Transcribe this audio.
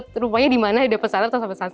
terupanya dimana ada pesan pesan